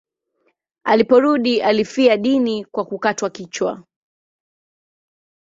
Aliporudi alifia dini kwa kukatwa kichwa.